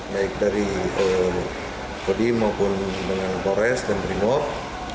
baik dari kodi maupun dengan tores dan brimob